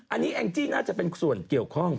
อันนี้แองจี้น่าจะเป็นส่วนเกี่ยวข้อง